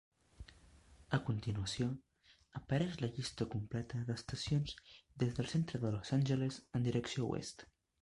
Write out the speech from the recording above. A continuació apareix la llista completa d'estacions des del centre de Los Angeles en direcció oest.